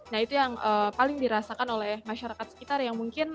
nah itu yang paling dirasakan oleh masyarakat sekitar yang mungkin